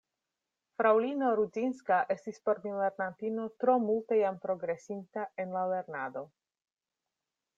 Fraŭlino Rudzinska estis por mi lernantino tro multe jam progresinta en la lernado.